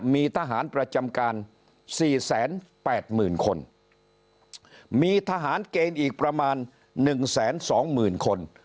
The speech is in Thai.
มีสแสนแปดหมื่นคนมีทหารเกณฑ์อีกประมาณหนึ่งแสนสองหมื่นคน